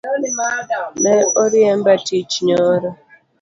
Ne oriemba tiich nyoro